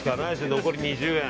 残り２０円。